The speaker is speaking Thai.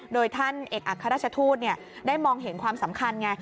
โดยท่านเอกอัครราชทูตได้มองเห็นความสำคัญไง